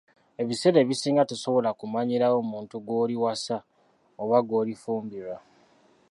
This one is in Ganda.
Ebiseera ebisinga tosobola kumanyirawo muntu gw'oliwasa oba gw'olifumbirwa.